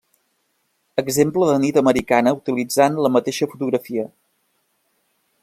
Exemple de nit americana utilitzant la mateixa fotografia.